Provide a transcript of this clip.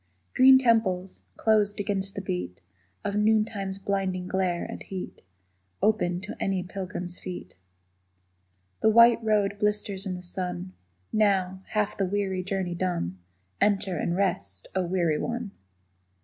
Green temples, closed against the beat Of noontime's blinding glare and heat, Open to any pilgrim's feet. The white road blisters in the sun; Now, half the weary journey done, Enter and rest, Oh weary one!